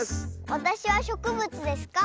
わたしはしょくぶつですか？